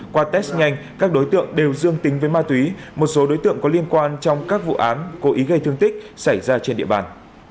qua test nhanh các đối tượng đều dương tính với ma túy một số đối tượng có liên quan trong các vụ án cố ý gây thương tích xảy ra trên địa bàn